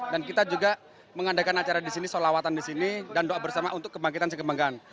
dan kita juga mengadakan acara disini solawatan disini dan doa bersama untuk kebanggaan dan sekembanggaan